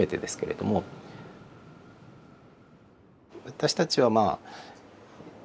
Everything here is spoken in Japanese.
私たちはまあ